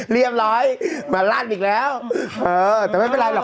เรียบร้อยมาลั่นอีกแล้วเออแต่ไม่เป็นไรหรอก